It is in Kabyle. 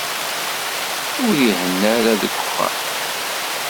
Ur ihenna ara deg uxxam.